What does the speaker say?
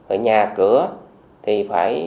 ở nhà cửa thì phải